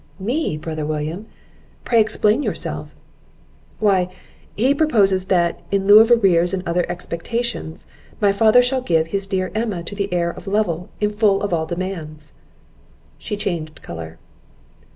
"Me! brother William; pray explain yourself." "Why, he proposes that, in lieu of arrears and other expectations, my father shall give his dear Emma to the heir of Lovel, in full of all demands." She changed colour.